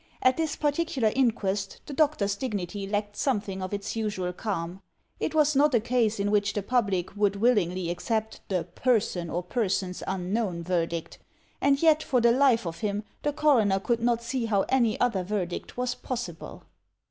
At this particular inquest, the doctor's dignity lacked something of its usual calm. It was not a case in which the public would willingly accept the "person or persons unknown" verdict; and yet for the life of him, the coroner could not see how any other verdict was possible.